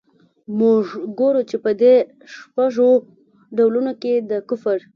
موږ ګورو چي په دې شپږو ډولونو کي د کفر.